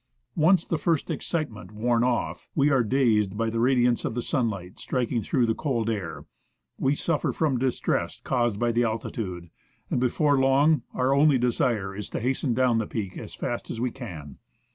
Once the first excitement worn off, we are dazed by the radiance of the sunlight striking through the cold air ; we suffer from distress caused by the altitude, and before long our only desire is to hasten down the peak as fast as we can.